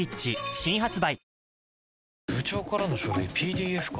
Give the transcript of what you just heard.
新発売